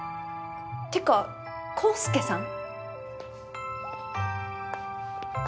ってか「康介さん」？